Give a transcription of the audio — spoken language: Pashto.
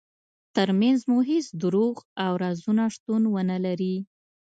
ترمنځ مو هیڅ دروغ او رازونه شتون ونلري.